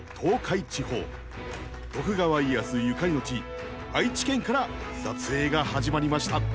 徳川家康ゆかりの地愛知県から撮影が始まりました。